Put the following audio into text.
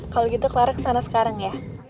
kalau gitu clara kesana sekarang ya